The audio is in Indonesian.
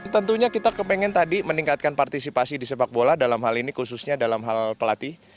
tentunya kita kepengen tadi meningkatkan partisipasi di sepak bola dalam hal ini khususnya dalam hal pelatih